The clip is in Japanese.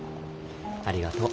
ありがとう。